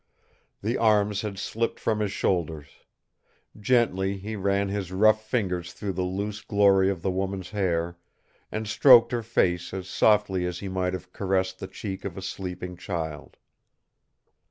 The arms had slipped from his shoulders. Gently he ran his rough fingers through the loose glory of the woman's hair, and stroked her face as softly as he might have caressed the cheek of a sleeping child.